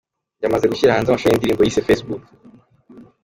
Yamaze gushyira hanze amashusho y’indirimbo yise’Facebook’.